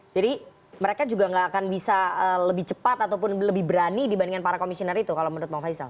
jadi mereka juga nggak akan bisa lebih cepat ataupun lebih berani dibandingkan para komisioner itu kalau menurut bang faisal